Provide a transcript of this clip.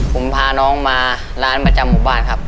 ผมพาน้องมาร้านประจำหมู่บ้านครับ